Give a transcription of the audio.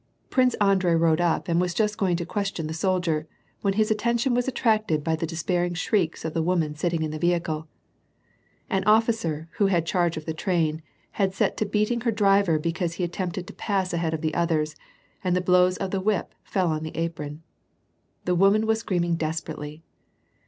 Prince Andrei rode up and was just going to question the soldier, when his attention was attracted by the despairing shrieks of the woman sitting in the vehicle. An officer, who had charge of the train, had set to beating her driver because he attempted to pass ahead of the others, and the blows of the whip fell on the apron. The woman was screaming desper ately.